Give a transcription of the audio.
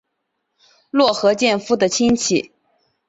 落合建夫的亲戚。